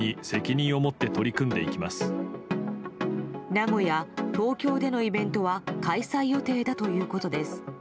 名古屋、東京でのイベントは開催予定だということです。